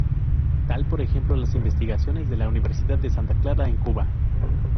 Tal por ejemplo las investigaciones de la Universidad de Santa Clara en Cuba.